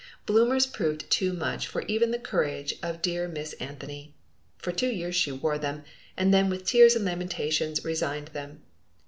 Bloomers proved too much for even the courage of dear Miss Anthony. For two years she wore them, and then with tears and lamentations resigned them.